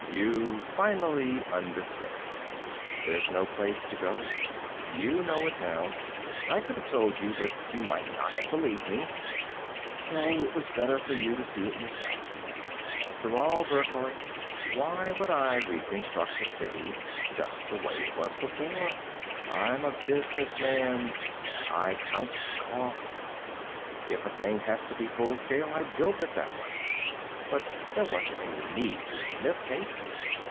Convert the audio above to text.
"You finally understand. There's no place to go. You know it now. I could have told you, but you might not have believed me, so it was better for you to see it yourself. And after all, Burckhardt, why would I reconstruct a city just the way it was before? I'm a businessman; I count costs. If a thing has to be full scale, I build it that way. But there wasn't any need to in this case."